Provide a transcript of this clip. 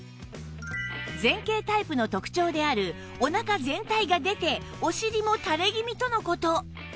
前傾タイプの特徴であるおなか全体が出てお尻もたれ気味との事